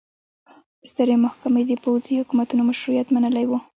سترې محکمې د پوځي حکومتونو مشروعیت منلی و.